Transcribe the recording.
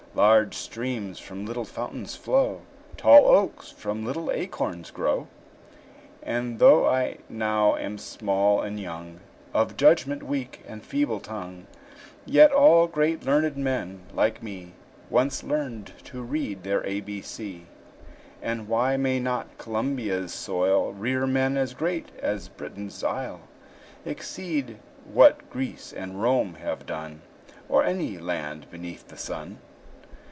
Large streams from little fountains flow; Tall oaks from little acorns grow; And though I now am small and young, Of judgment weak, and feeble tongue, Yet all great learned men like me Once learned to read their A, B, C. And why may not Columbia's soil Rear men as great as Britain's isle, Exceed what Greece and Rome have done, Or any land beneath the sun?